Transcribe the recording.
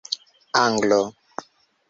Anglo